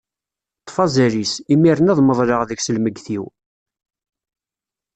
Ṭṭef azal-is, imir-nni ad meḍleɣ deg-s lmegget-iw.